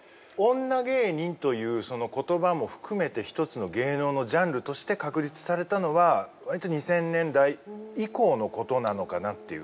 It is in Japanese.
女芸人というその言葉も含めて一つの芸能のジャンルとして確立されたのは割と２０００年代以降のことなのかなという。